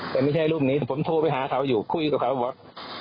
แต่ไม่ใช่รูปนี้แต่ผมโทรไปหาเขาอยู่คุยกับเขาว่า